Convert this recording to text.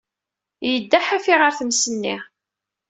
Yedda ḥafi ɣef tmes-nni.